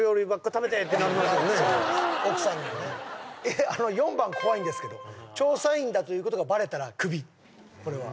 奥さんにはねあの４番怖いんですけど調査員だということがバレたらクビこれは？